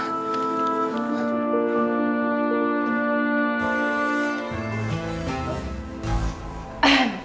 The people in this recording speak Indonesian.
kamu langsung ke bagian keuangan